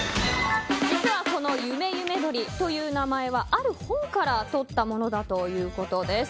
実はこの努努鶏という名前はある本からとったものだということです。